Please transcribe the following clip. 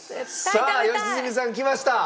さあ良純さんきました。